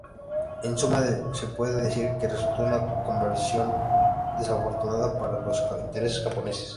En suma se puede decir que resultó una conversión desafortunada para los intereses japoneses.